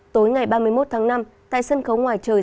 tối ngày ba mươi một tháng năm tại sân khấu ngoài trời